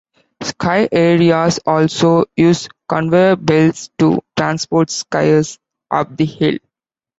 Ski areas also use conveyor belts to transport skiers up the hill.